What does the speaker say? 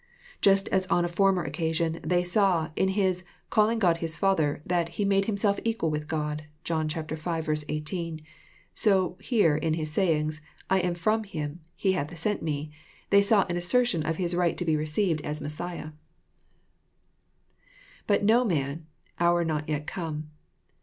Just as on a former occasion, they saw, in His " calling God His Father," that He «* made Himself equal with God, " (John v. 18,) so here in His saying " I am from Him : He hath sent me," they saw an assertion of His right to be received as Messiah, [^But no man..Jiour not yet come.'